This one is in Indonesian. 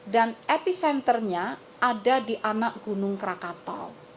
dan epicenternya ada di anak gunung krakatau